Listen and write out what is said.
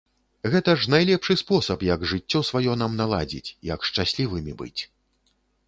Гэта ж найлепшы спосаб, як жыццё сваё нам наладзіць, як шчаслівымі быць.